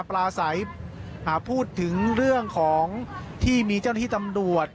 ปลาใสพูดถึงเรื่องของที่มีเจ้าหน้าที่ตำรวจ